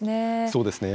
そうですね。